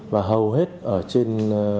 và hầu hết ở trên